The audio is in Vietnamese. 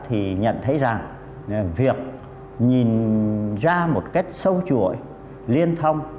thì nhận thấy rằng việc nhìn ra một cách sâu chuỗi liên thông